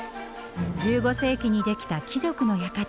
１５世紀に出来た貴族の館